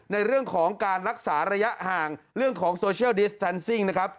ในเรื่องของการรักษาระยะห่างเรื่องของโซเชียลดิสแทนซิ่งนะครับ